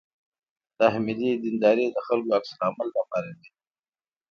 تحمیلي دینداري د خلکو عکس العمل راپاروي.